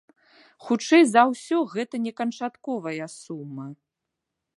Хутчэй за ўсё гэта не канчатковая сума.